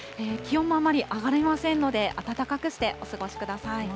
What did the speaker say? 気温もあまり上がりませんので、暖かくしてお過ごしください。